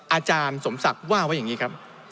อาจารย์สมศักดิ์ว่าไว้อย่างนี้ครับ